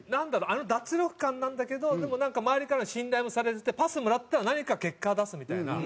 あの脱力感なんだけどでもなんか周りからは信頼もされててパスもらったら何か結果は出すみたいな。